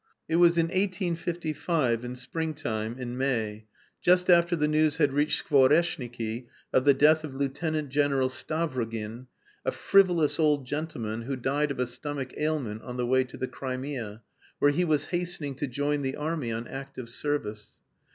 It was in 1855, in spring time, in May, just after the news had reached Skvoreshniki of the death of Lieutenant General Stavrogin, a frivolous old gentleman who died of a stomach ailment on the way to the Crimea, where he was hastening to join the army on active service.